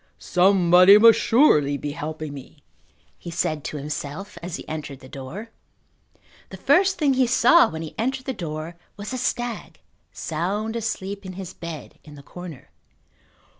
"Somebody must surely be helping me," he said to himself as he entered the door. The first thing he saw when he entered the door was the stag sound asleep in his bed in the corner.